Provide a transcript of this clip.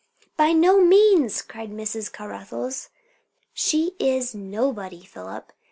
"By no means!" cried Mrs. Caruthers. "She is nobody, Philip.